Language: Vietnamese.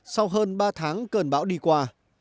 sau hơn ba tháng cơn bão đi qua